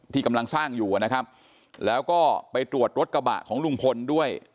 ที่กำลังสร้างอยู่นะครับแล้วก็ไปตรวจรถกระบะของลุงพลด้วย